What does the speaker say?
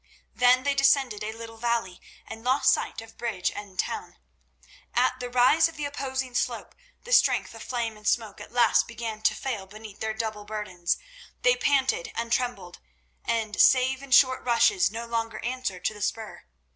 Then they descended a little valley, and lost sight of bridge and town. At the rise of the opposing slope the strength of Flame and Smoke at last began to fail beneath their double burdens. They panted and trembled; and, save in short rushes, no longer answered to the spur.